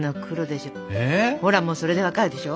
ほらもうそれで分かるでしょ？